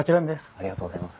ありがとうございます。